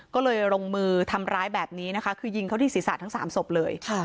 ก็เลยลงมือทำร้ายแบบนี้นะคะคือยิงเขาที่ศีรษะทั้ง๓ศพเลย